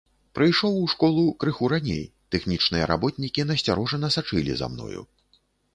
Прыйшоў у школу крыху раней, тэхнічныя работнікі насцярожана сачылі за мною.